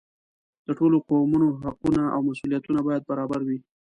د ټولو قومونو حقونه او مسؤلیتونه باید برابر وي.